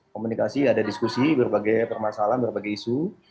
komunikasi ada diskusi berbagai permasalahan berbagai isu